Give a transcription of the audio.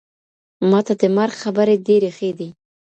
ماته د مار خبري ډيري ښې دي,